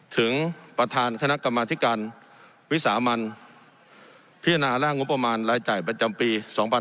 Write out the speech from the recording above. ถึงประธานคณะกรรมธิการวิสามันพิจารณาร่างงบประมาณรายจ่ายประจำปี๒๕๖๒